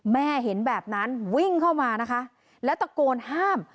แม่เห็นแบบนั้นวิ่งเข้ามานะคะแล้วตะโกนห้าม